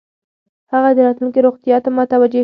هغه د راتلونکې روغتیا ته متوجه شو.